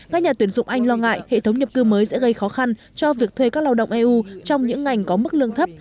các nhà tuyển dụng anh lo ngại hệ thống nhập cư mới sẽ gây khó khăn cho việc thuê các lao động eu trong những ngành có mức lương thấp